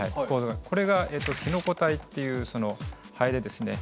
これがキノコ体っていうハエでですね